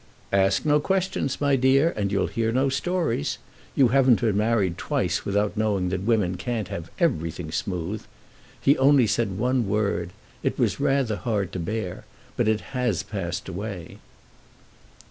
"Ask no questions, my dear, and you'll hear no stories. You haven't been married twice without knowing that women can't have everything smooth. He only said one word. It was rather hard to bear, but it has passed away."